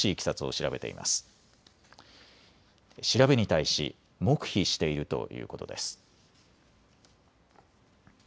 調べに対し黙秘しているということです。